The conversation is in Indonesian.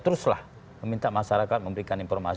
teruslah meminta masyarakat memberikan informasi